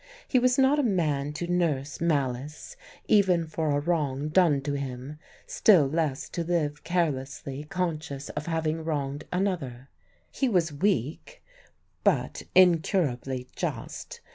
He was not a man to nurse malice even for a wrong done to him, still less to live carelessly conscious of having wronged another. He was weak, but incurably just.